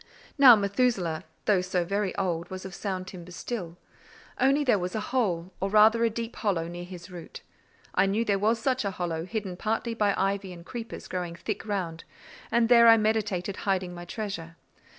Now Methusaleh, though so very old, was of sound timber still; only there was a hole, or rather a deep hollow, near his root. I knew there was such a hollow, hidden partly by ivy and creepers growing thick round; and there I meditated hiding my treasure.